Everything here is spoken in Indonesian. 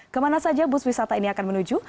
kemana saja bus wisata ini akan menuju